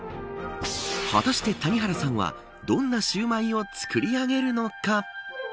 果たして谷原さんはどんなシューマイを作り上げるのか。